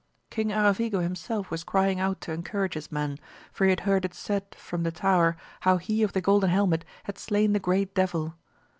King Aravigo himself was crying out to encourage his men, for he had heard it said from the tower how he of the golden helmet had slain the great devil.